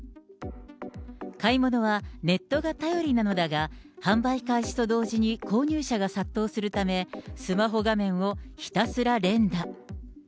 買い物はネットが頼りなのだが、販売開始と同時に購入者が殺到するため、スマホ画面をひたすら連打。